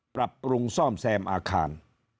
ปรับปรุงซ่อมแซมอาคาร